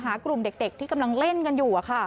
หากลุ่มเด็กที่กำลังเล่นกันอยู่